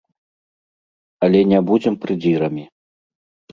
Але не будзем прыдзірамі.